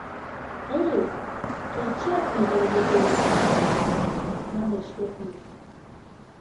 — Эй, кечат могай мотор! — манеш Япий.